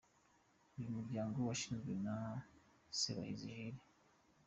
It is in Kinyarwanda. Uyu muryango washinzwe na Sebahizi Jules.